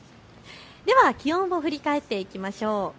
では気温を振り返っていきましょう。